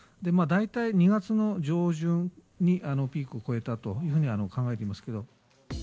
大体２月の上旬にピークを越えたというふうに考えていますけど。